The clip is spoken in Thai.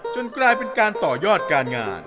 กลายเป็นการต่อยอดการงาน